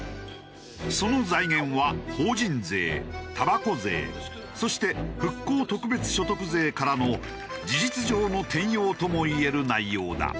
その財源は法人税たばこ税そして復興特別所得税からの事実上の転用ともいえる内容だ。